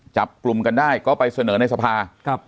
จับกลุ่มกันได้ก็ไปเสนอในสภาครับ